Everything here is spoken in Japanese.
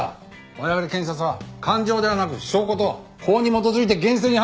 我々検察は感情ではなく証拠と法に基づいて厳正に判断してるんです。